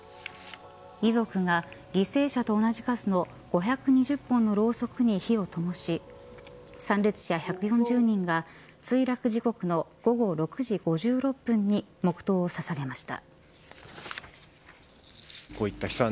遺族が犠牲者と同じ数の５２０本のろうそくに火をともし、参列者１４０人が墜落時刻の午後６時５６分に黙とうをささげました。